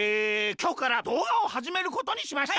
きょうからどうがをはじめることにしました。